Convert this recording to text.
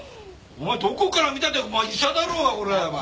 お前どこから見たって医者だろうがこれお前。